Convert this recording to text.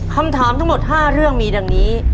คำถามทั้งหมด๕เรื่องมีดังนี้